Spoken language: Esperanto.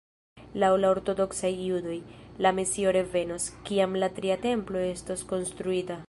Laŭ la ortodoksaj judoj, la mesio revenos, kiam la tria Templo estos konstruita.